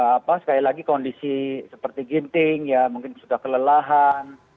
apa sekali lagi kondisi seperti ginting ya mungkin sudah kelelahan